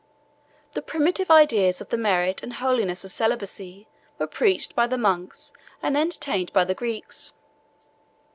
The primitive ideas of the merit and holiness of celibacy were preached by the monks and entertained by the Greeks.